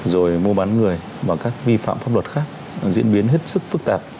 rồi mua bán người và các vi phạm pháp luật khác diễn biến hết sức phức tạp